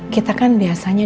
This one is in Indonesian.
gak ada apa apa